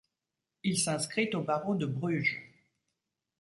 Il s'inscrit au barreau de Bruges.